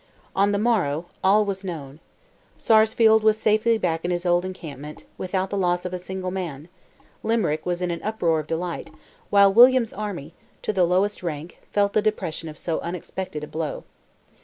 On the morrow, all was known. Sarsfield was safely back in his old encampment, without the loss of a single man; Limerick was in an uproar of delight, while William's army, to the lowest rank, felt the depression of so unexpected a blow.